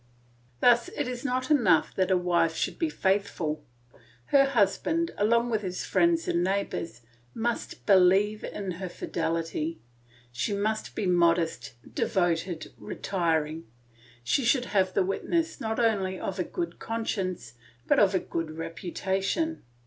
Thus it is not enough that a wife should be faithful; her husband, along with his friends and neighbours, must believe in her fidelity; she must be modest, devoted, retiring; she should have the witness not only of a good conscience, but of a good reputation.